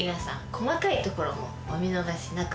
細かいところもお見逃しなく。